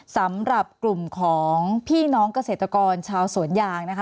สำหรับกลุ่มของพี่น้องเกษตรกรชาวสวนยางนะคะ